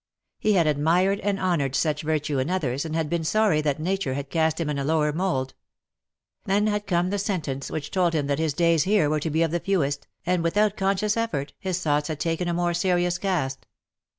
He had admired and honoured such virtue in others, and had been sorry that Nature had cast him in a lower mould. Then had come the sentence which told him that his days here were to be of the fewest, and, without conscious effort, his thoughts had taken a more serious cast.